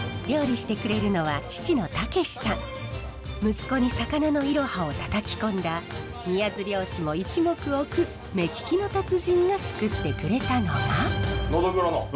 息子に魚のイロハをたたき込んだ宮津漁師も一目置く目利きの達人がつくってくれたのが。